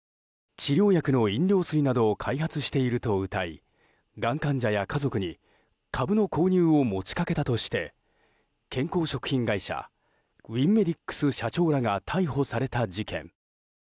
治療薬の飲料水などを開発しているなどとうたいがん患者や家族に株の購入を持ち掛けたとして健康食品会社ウィンメディックス社長らが逮捕された事件。